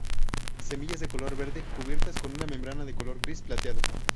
Semillas de color verde, cubiertas con una membrana de color gris plateado.